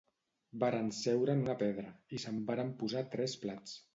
Varen seure en una pedra, i se'n varen posar tres plats